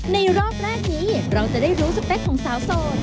รอบแรกนี้เราจะได้รู้สเปคของสาวโสด